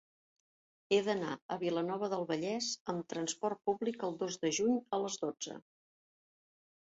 He d'anar a Vilanova del Vallès amb trasport públic el dos de juny a les dotze.